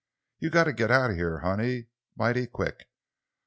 You got to git out of heah, honey—mighty quick!